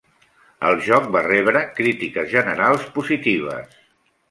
El joc va rebre crítiques generals positives.